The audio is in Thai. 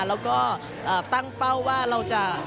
แล้วก็ตั้งเป้าว่าเราจะ